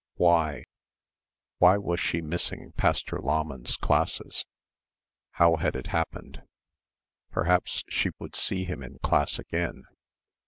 Why? Why was she missing Pastor Lahmann's classes? How had it happened? Perhaps she would see him in class again.